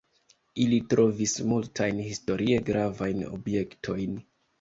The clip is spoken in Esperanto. Ili trovis multajn historie gravajn objektojn.